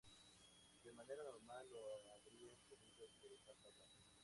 De manera normal lo habrían tenido que dejar pasar.